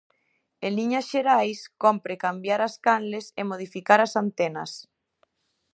En liñas xerais, cómpre cambiar as canles e modificar as antenas.